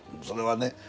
それはね。